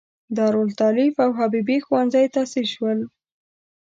د دارالتالیف او حبیبې ښوونځی تاسیس شول.